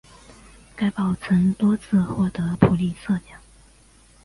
该报曾多次获得普利策奖。